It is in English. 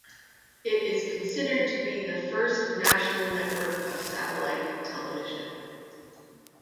It is considered to be the first national network of satellite television.